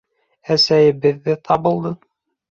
— Әсәйебеҙ ҙә табылды.